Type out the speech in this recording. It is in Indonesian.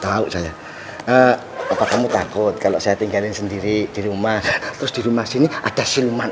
tahu saya apa kamu takut kalau saya tinggalin sendiri di rumah terus di rumah sini ada silman